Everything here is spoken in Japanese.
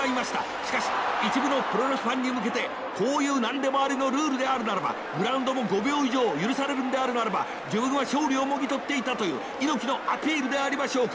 しかし一部のプロレスファンに向けてこういう何でもありのルールであるならばグラウンドも５秒以上許されるんであるならば自分は勝利をもぎ取っていたという猪木のアピールでありましょうか。